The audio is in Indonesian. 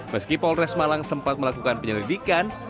meski polres malang sempat melakukan penyelidikan